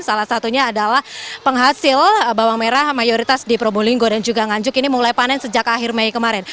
salah satunya adalah penghasil bawang merah mayoritas di probolinggo dan juga nganjuk ini mulai panen sejak akhir mei kemarin